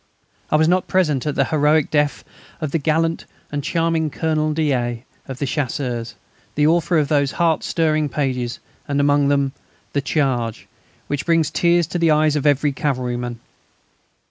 I was not present at the heroic death of the gallant and charming Colonel d'A., of the Chasseurs, the author of those heart stirring pages and among them "The Charge" which bring tears to the eyes of every cavalryman.